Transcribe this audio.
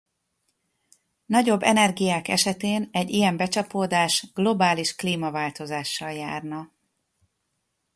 Nagyobb energiák esetén egy ilyen becsapódás globális klímaváltozással járna.